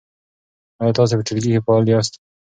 آیا تاسو په ټولګي کې فعال یاست؟